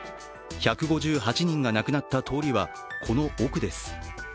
１５８人が亡くなった通りは、この奥です。